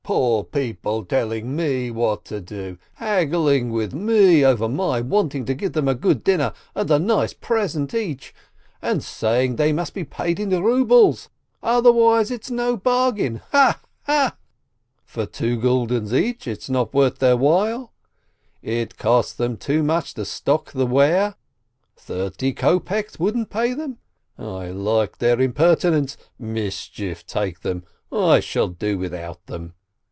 Poor people telling me what to do, haggling with me over my wanting to give them a good dinner and a nice present each, and saying they must be paid in rubles, otherwise it's no bargain, ha! ha! For two guldens each it's not worth their while ? It cost them too much to stock the ware? Thirty kopeks wouldn't pay them? I like their impertinence ! Mischief take them, I shall do without them